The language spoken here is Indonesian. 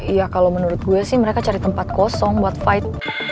iya kalau menurut gue sih mereka cari tempat kosong buat fight